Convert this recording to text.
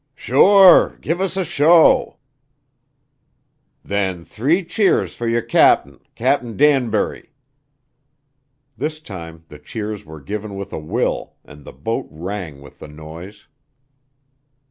"Sure! Give us a show!" "Then three cheers fer yer cap'n Cap'n Danbury." This time the cheers were given with a will, and the boat rang with the noise.